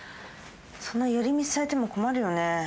そんな寄り道されても困るよね。